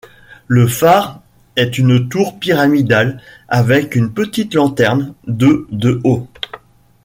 Le phare est une tour pyramidale avec une petite lanterne, de de haut.